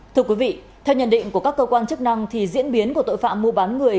thưa quý vị theo nhận định của các cơ quan chức năng thì diễn biến của tội phạm mua bán người